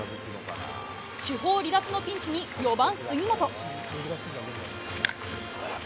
主砲離脱のピンチに４番、杉本。